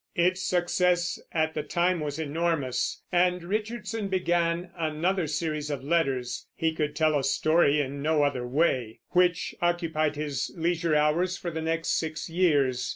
Its success at the time was enormous, and Richardson began another series of letters (he could tell a story in no other way) which occupied his leisure hours for the next six years.